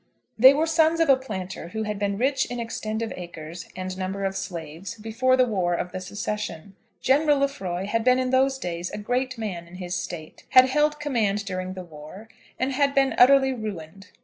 They were sons of a planter who had been rich in extent of acres and number of slaves before the war of the Secession. General Lefroy had been in those days a great man in his State, had held command during the war, and had been utterly ruined.